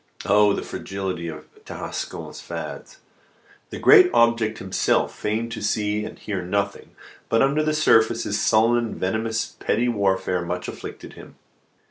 Oh, the fragility of Tarascon's fads! The great object himself feigned to see and hear nothing; but, under the surface, this sullen and venomous petty warfare much afflicted him.